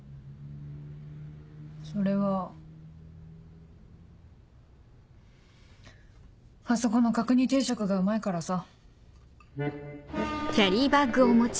それは。あそこの角煮定食がうまいからさ。